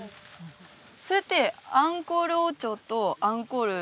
それってアンコール王朝とアンコール